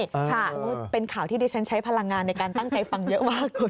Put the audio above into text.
ค่ะเป็นข่าวที่ดิฉันใช้พลังงานในการตั้งใจฟังเยอะมากคุณ